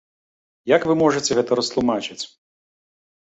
Як вы можаце гэта растлумачыць?